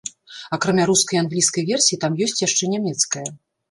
Акрамя рускай і англійскай версій, там ёсць яшчэ нямецкая.